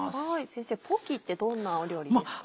先生ポキってどんな料理ですか？